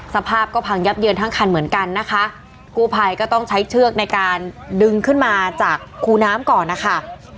สภาพก็พังยับเยินทั้งคันเหมือนกันนะคะกู้ภัยก็ต้องใช้เชือกในการดึงขึ้นมาจากคูน้ำก่อนนะคะ